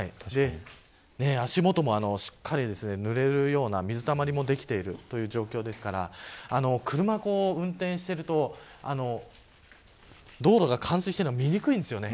足元もしっかりぬれような水たまりもできている状況ですから車を運転していると道路が冠水しているのが見えにくいんですよね。